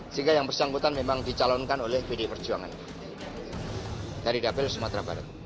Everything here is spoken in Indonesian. sehingga yang bersangkutan memang dicalonkan oleh pdi perjuangan dari dapil sumatera barat